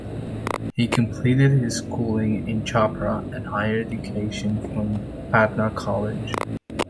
He completed his schooling in Chhapra and higher education from Patna College.